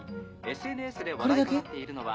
ＳＮＳで話題となっているのは。